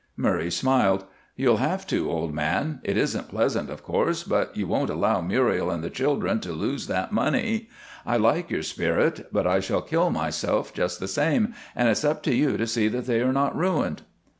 Murray smiled. "You'll have to, old man. It isn't pleasant, of course, but you won't allow Muriel and the children to lose that money. I like your spirit, but I shall kill myself just the same, and it's up to you to see that they are not ruined."